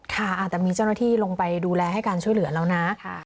ค่ะแต่มีเจ้าหน้าที่ลงไปดูแลให้การช่วยเหลือแล้วนะ